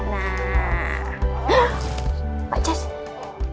hah mbak jess